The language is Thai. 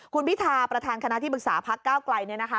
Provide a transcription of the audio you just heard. คุณพิธาประธานคณะที่ปรึกษาพักก้าวไกลเนี่ยนะคะ